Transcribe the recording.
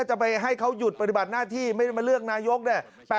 จะไปให้เขาหยุดปฏิบัติหน้าที่ไม่ได้มาเลือกนายกเนี่ย